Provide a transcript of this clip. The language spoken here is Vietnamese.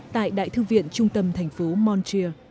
tại đại thư viện trung tâm thành phố montreal